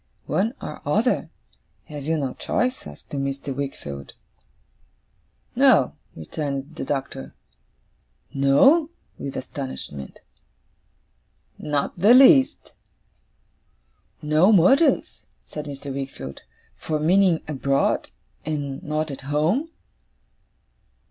'One or other? Have you no choice?' asked Mr. Wickfield. 'No,' returned the Doctor. 'No?' with astonishment. 'Not the least.' 'No motive,' said Mr. Wickfield, 'for meaning abroad, and not at home?